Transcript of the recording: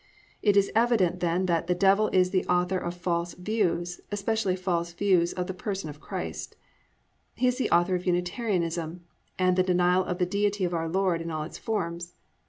"+ It is evident then that the Devil is the author of false views, especially false views of the person of Christ. He is the author of Unitarianism, and the denial of the Deity of our Lord in all its forms.